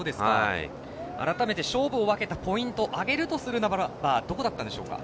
改めて勝負を分けたポイント挙げるとするならばどこだったんでしょうか？